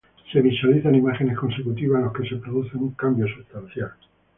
Se visualizan imágenes consecutivas en las que se produce un cambio substancial.